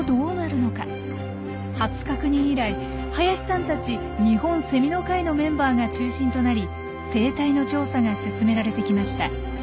初確認以来林さんたち日本セミの会のメンバーが中心となり生態の調査が進められてきました。